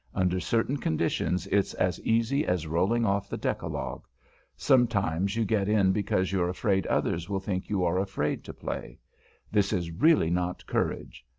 Under certain conditions it's as easy as rolling off the decalogue. Sometimes you get in because you're afraid others will think you are afraid to play. This is really not courage.